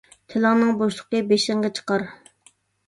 تىلىڭنىڭ بوشلۇقى بېشىڭغا چىقار.